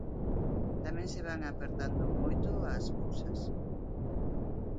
Tamén se van apertando moito as cousas.